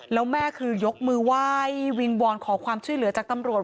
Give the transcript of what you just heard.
แล้วแม่คือยกมือไหว้วิงวอนขอความช่วยเหลือจากตำรวจ